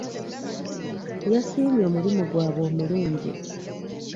Yasiimye omulimu gwabwe omulungi.